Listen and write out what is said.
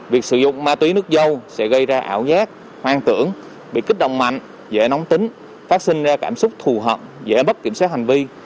việc sử dụng ma túy nước dâu sẽ gây ra ảo giác hoang tưởng bị kích động mạnh dễ nóng tính phát sinh ra cảm xúc thù hận dễ bất kiểm soát hành vi